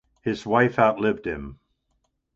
His wife outlived him.